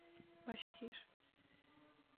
Bashkir